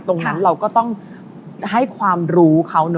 ตรงนั้นเราก็ต้องให้ความรู้เขา